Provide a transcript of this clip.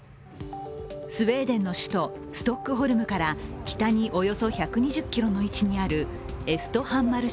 スウェーデンの首都ストックホルムから北におよそ１２０ｋｍの位置にあるエストハンマル